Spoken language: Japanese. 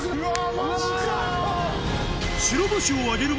マジか！